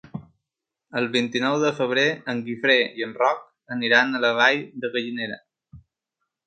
El vint-i-nou de febrer en Guifré i en Roc aniran a la Vall de Gallinera.